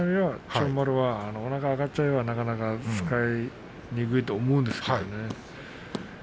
千代丸は、おなかが上がっちゃえばなかなか使いにくいと思うんですね。